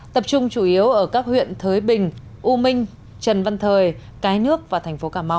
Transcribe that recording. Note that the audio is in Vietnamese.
tập trung chủ yếu ở các huyện thới bình u minh trần văn thời cái nước và thành phố cà mau